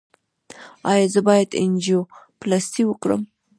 ایا زه باید انجیوپلاسټي وکړم؟